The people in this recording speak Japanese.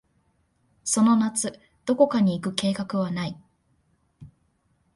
その夏、どこかに行く計画はない。